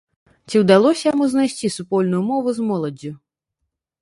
Ці ўдалося яму знайсці супольную мову з моладдзю?